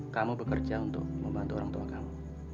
kamu bekerja untuk membantu orang tua kamu